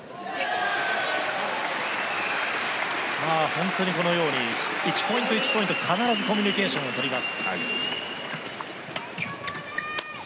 本当にこのように１ポイント１ポイント必ずコミュニケーションを取ります。